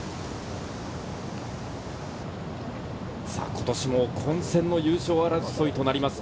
今年も混戦の優勝争いとなります。